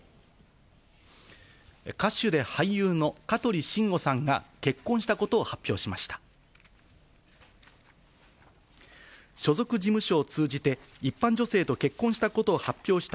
歌手で俳優の香取慎吾さんが結婚したことを発表しました。